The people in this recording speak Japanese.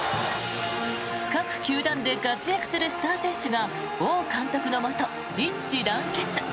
各球団で活躍するスター選手が王監督のもと、一致団結。